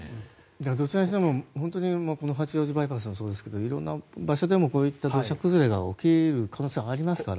どちらにしても、本当に八王子バイパスもそうですけどいろいろな場所でも土砂崩れが起きる可能性はありますから。